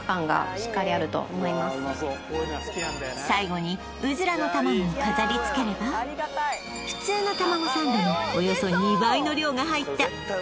最後にを飾りつければ普通のたまごサンドのおよそ２倍の量が入ったの完成